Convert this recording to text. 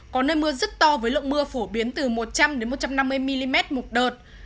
có nơi mưa rất to với lượng mưa phổ biến từ một trăm linh một trăm năm mươi mm một đợt